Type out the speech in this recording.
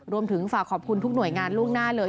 รวมถึงฝากขอบคุณทุกหน่วยงานล่วงหน้าเลย